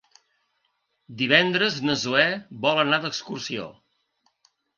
Divendres na Zoè vol anar d'excursió.